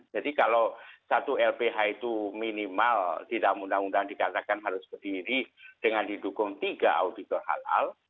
jadi kalau satu lph itu minimal tidak mudah mudahan dikatakan harus berdiri dengan didukung tiga auditor halal